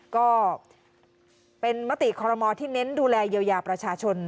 ก็เป็นมติคอรมอลที่เน้นดูแลเยียวยาประชาชน